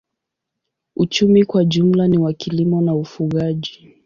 Uchumi kwa jumla ni wa kilimo na ufugaji.